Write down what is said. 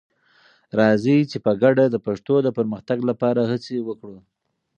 راځئ چې په ګډه د پښتو د پرمختګ لپاره هڅې وکړو.